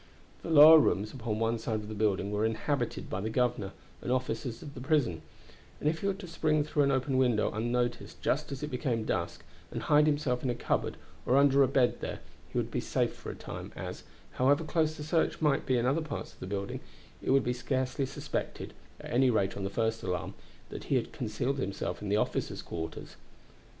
The lower rooms upon one side of the building were inhabited by the governor and officers of the prison, and if he were to spring through an open window unnoticed just as it became dusk, and hide himself in a cupboard or under a bed there he would be safe for a time, as, however close the search might be in other parts of the building, it would be scarcely suspected, at any rate on the first alarm, that he had concealed himself in the officers' quarters.